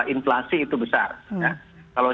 inflasi itu besar kalau